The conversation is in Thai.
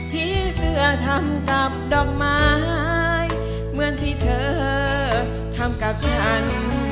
ที่เสื้อทำกับดอกไม้เหมือนที่เธอทำกับฉัน